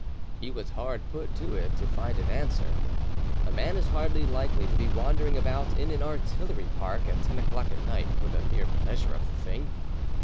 He was hard put to it to find an answer: a man is hardly likely to be wandering about in an artillery park at ten o'clock at night for the mere pleasure of the thing.